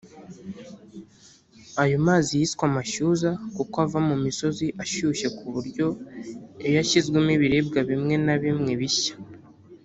Ayo mazi yiswe “Amashyuza “ kuko ava mu musozi ashushye ku buryo iyo ashyizwemo ibiribwa bimwe na bimwe bishya